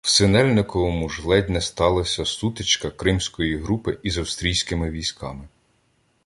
В Синельниковому ж ледь не сталася сутичка Кримської групи із австрійськими військами.